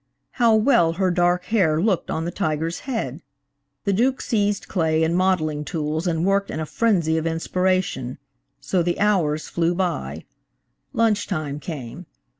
How well her dark hair looked on the tiger's head! The Duke seized clay and modeling tools and worked in a frenzy of inspiration. So the hours flew by. Lunch time came.